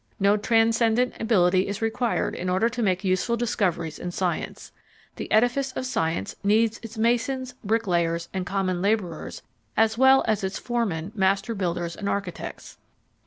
No transcendent ability is required in order to make useful discoveries in science; the edifice of science needs its masons, bricklayers, and common labourers as well as its foremen, master builders, and architects.